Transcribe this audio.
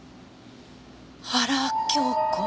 原京子？